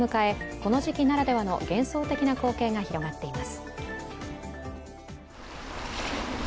この時期ならではの幻想的な光景が広がっています。